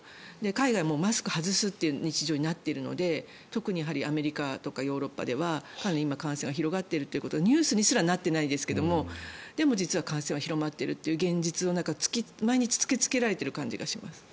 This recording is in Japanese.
海外、マスクを外すという日常になっているので特にアメリカとかヨーロッパでは感染が広がっているということでニュースにすらなっていないですがでも実は感染は広まっているという現実を毎日突きつけられている感じがします。